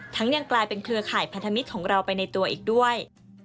ยังกลายเป็นเครือข่ายพันธมิตรของเราไปในตัวอีกด้วย